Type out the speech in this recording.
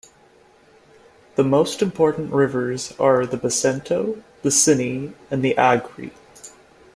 The most important rivers are the Basento, the Sinni, and the Agri.